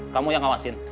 kamu yang awasin